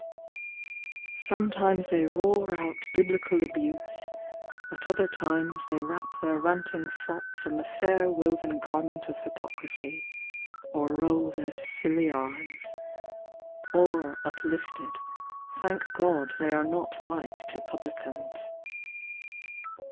Sometimes they roar out biblical abuse, At other times they wrap their ranting thoughts In the fair woven garment of hypocrisy, Or roll their silly eyes, — or uplifted Thank God they are not like to Publicans.